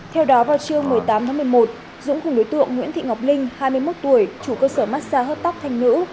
theo đó vào chiều một mươi tám một mươi một dũng cùng đối tượng nguyễn thị ngọc linh hai mươi một tuổi trú cơ sở massage hợp tác thanh ngữ